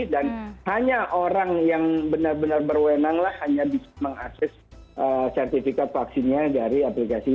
dan hanya orang yang benar benar berwenang lah hanya bisa mengakses sertifikat vaksinnya dari aplikasi ini